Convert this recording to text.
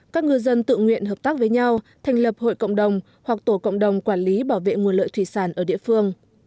các ngư dân tự nguyện hợp tác với nhau thành lập hội cộng đồng hoặc tổ cộng đồng quản lý bảo vệ nguồn lợi thủy sản ở địa phương